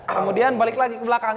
kemudian balik lagi ke belakang